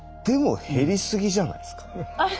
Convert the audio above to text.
でも減りすぎじゃないですか？